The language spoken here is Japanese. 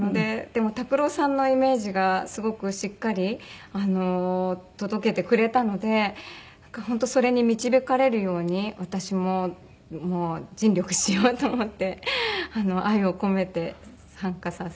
でも拓郎さんのイメージがすごくしっかり届けてくれたので本当それに導かれるように私も尽力しようと思って愛を込めて参加させていただきました。